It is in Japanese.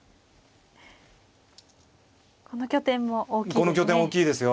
この拠点も大きいですね。